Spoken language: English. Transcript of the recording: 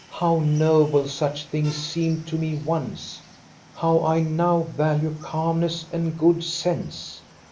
How noble such things seemed to me once ! How I now value calmness and good sense